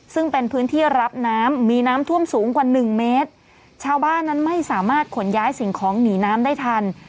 ซึ่งเป็นพื้นที่รับน้ำมีน้ำท่วมสูงกว่าหนึ่งเมตรชาวบ้านนั้นไม่สามารถขนย้ายสิ่งของหนีน้ำได้ทัน